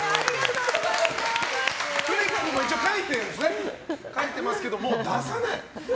フリップも一応書いてますけどもう出さない。